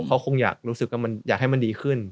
เขาคงอยากรู้สึกว่ามันอยากให้มันดีขึ้น